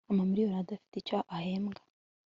Amamiriyoni adafite icyo ahembwa